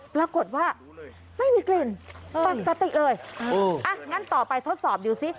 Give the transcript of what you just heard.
ปรากฏว่าไม่มีกลิ่นปกติเลยอ่ะงั้นต่อไปทดสอบดูซิ